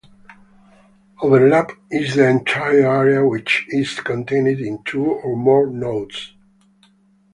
Overlap is the entire area which is contained in two or more nodes.